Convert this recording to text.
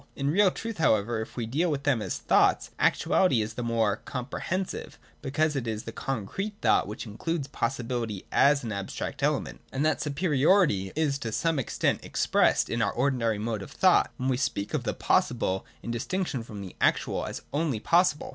In real truth, however, if we deal with them as thoughts, actuality is the more comprehensive, because it is the concrete thought which includes possibility as an abstract element. And that superiority is to some extent expressed in our ordinary mode of thought when we speak of the possible, in distinction from the actual, as only possible.